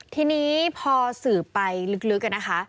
ทีนี้พอสืบไปลึกอะนะคะ